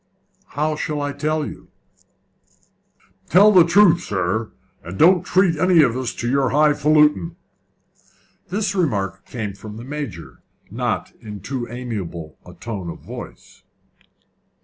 "How shall I tell you?" "Tell the truth, sir, and don't treat us to any of your high faluting." This remark came from the Major not in too amiable a tone of voice.